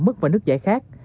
mất vào nước giải khác